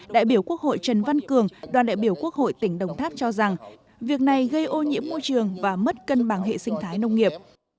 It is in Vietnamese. đại biểu quốc hội trần văn cường đoàn đại biểu quốc hội tỉnh đồng tháp cho rằng việc này gây ô nhiễm môi trường và mất cân bằng hệ sinh thái nông nghiệp